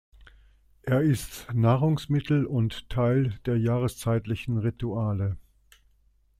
Er ist Nahrungsmittel und Teil der jahreszeitlichen Rituale.